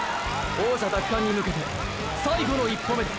王者奪還に向けて最後の一歩目だ！！